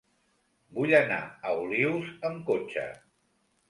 Vull anar a Olius amb cotxe.